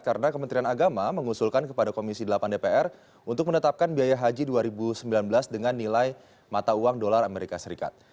karena kementerian agama mengusulkan kepada komisi delapan dpr untuk menetapkan biaya haji dua ribu sembilan belas dengan nilai mata uang dolar amerika serikat